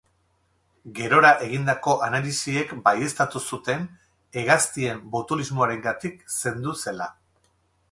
Gerora egindako analisiek baieztatu zuten hegaztien botulismoarengatik zendu zela.